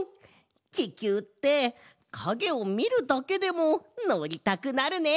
ききゅうってかげをみるだけでものりたくなるね！